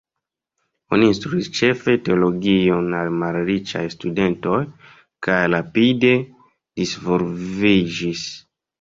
Oni instruis ĉefe teologion al malriĉaj studentoj, kaj rapide disvolviĝis.